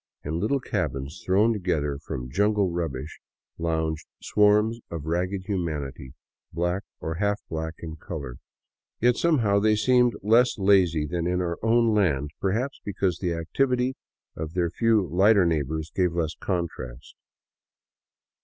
In little cabins thrown together from jungle rubbish lounged swarms of ragged humanity, black or half black in color. Yet somehow they seemed less lazy than in our own land, perhaps because the activity of their few lighter neighbors gave less contrast.